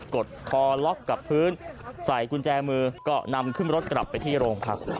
กดคอล็อกกับพื้นใส่กุญแจมือก็นำขึ้นรถกลับไปที่โรงพัก